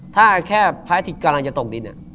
ถ้าแค่พระอาทิตย์กำลังจะตกดิน